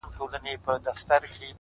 موږ ته خو د خپلو پښو صفت بې هوښه سوی دی~